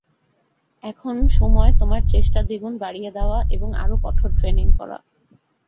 এখন সময় তোমার চেষ্টা দ্বিগুণ বাড়িয়ে দেওয়া এবং আরো কঠোর ট্রেনিং করা।